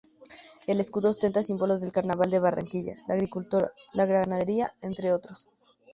El escudo ostenta símbolos del Carnaval de Barranquilla, la agricultura, la ganadería, entre otros.